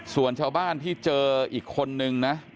ส่วนชาวบ้านที่เจออีกคนนึงนะ